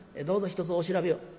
どうぞひとつお調べを」。